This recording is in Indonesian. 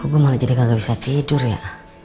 gue malah jadi gak bisa tidur ya